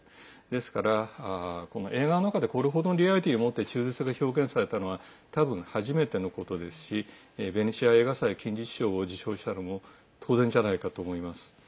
ですから、映画の中でこれほどのリアリティーをもって中絶が表現されたのは多分、初めてのことですしベネチア映画祭金獅子賞を受賞したのも当然じゃないかと思います。